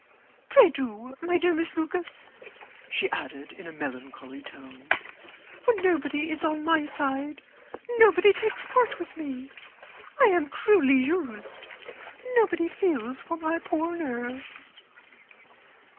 "Pray do, my dear Miss Lucas," she added, in a melancholy tone; "for nobody is on my side, nobody takes part with me; I am cruelly used, nobody feels for my poor nerves."